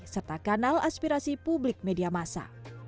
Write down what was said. serta kanal aspirasi publik media masa